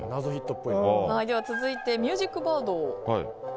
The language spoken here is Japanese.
では続いて、ミュージックバード。